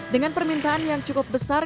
dengan permintaan yang cukup besar